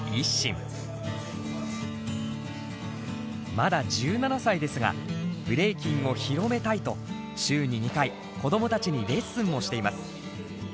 まだ１７歳ですがブレイキンを広めたいと週に２回子どもたちにレッスンもしています。